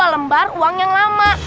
lembar uang yang lama